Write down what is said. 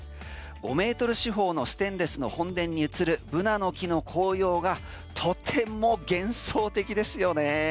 ５ｍ四方のステンレスの本殿に映るブナの木の紅葉がとても幻想的ですよね。